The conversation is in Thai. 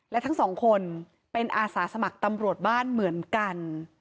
และทั้งสองคนเป็นอาสาสมัครตำรวจบ้านเหมือนกัน